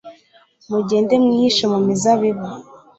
mugende mwihishe mu mizabibu